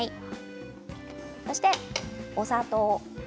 そしてお砂糖。